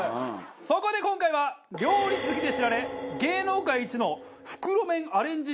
そこで今回は料理好きで知られ芸能界一の袋麺アレンジ帝王。